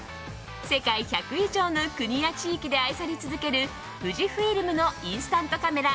世界１００以上の国や地域で愛され続ける富士フイルムのインスタントカメラ